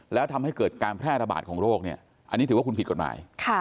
แล้วทำให้เกิดการแพร่ระบาดของโรคเนี่ยอันนี้ถือว่าคุณผิดกฎหมาย